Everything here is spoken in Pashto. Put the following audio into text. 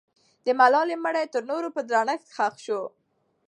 د ملالۍ مړی تر نورو په درنښت ښخ سو.